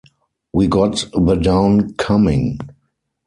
We got the Down coming.